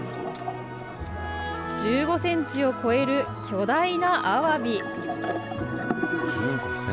１５センチを超える巨大なアワビ。